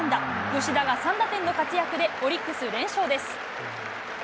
吉田が３打点の活躍で、オリックス連勝です。